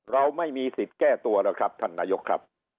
เราไม่มีสิทธิ์แก้ตัวแล้วครับท่านนายกครับ